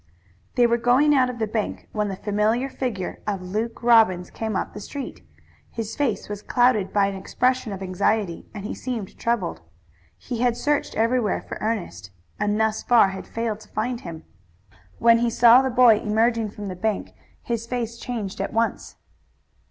They were going out of the bank when the familiar figure of Luke Robbins came up the street. His face was clouded by an expression of anxiety and he seemed troubled. He had searched everywhere for Ernest, and thus far had failed to find him. When he saw the boy emerging from the bank his face changed at once.